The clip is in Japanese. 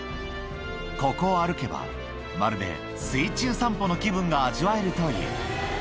ここを歩けば、まるで水中散歩の気分が味わえるという。